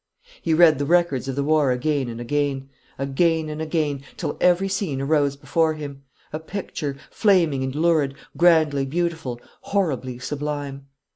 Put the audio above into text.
He read the records of the war again and again, again and again, till every scene arose before him, a picture, flaming and lurid, grandly beautiful, horribly sublime.